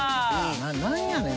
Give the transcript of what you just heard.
何やねん？